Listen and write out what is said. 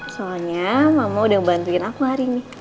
soalnya mama udah bantuin aku hari ini